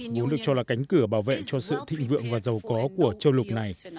vốn được cho là cánh cửa bảo vệ cho sự thịnh vượng và giàu có của châu lục này